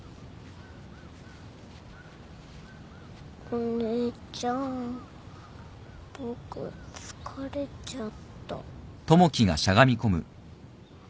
お姉ちゃん僕疲れちゃった。